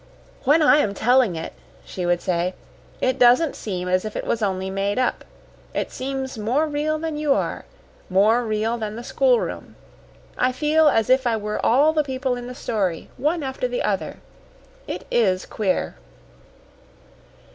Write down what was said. "When I am telling it," she would say, "it doesn't seem as if it was only made up. It seems more real than you are more real than the schoolroom. I feel as if I were all the people in the story one after the other. It is queer."